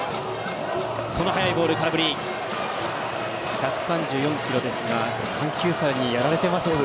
１３４キロですが緩急差にやられてますね。